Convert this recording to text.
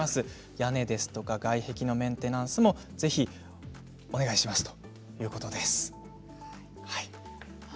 屋根や外壁のメンテナンスもお願いしますということです。